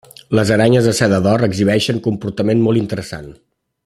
Les aranyes de seda d'or exhibeixen comportament molt interessant.